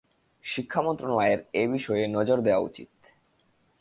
শিক্ষা মন্ত্রণালয়ের এ বিষয়ে নজর দেওয়া উচিত।